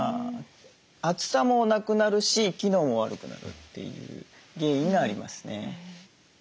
厚さもなくなるし機能も悪くなるという原因がありますね。